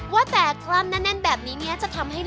ว่าแต่ก๋วยเตี๋ยวแน่นแบบนี้